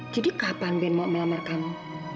jadi kapan ben mau melamar kamu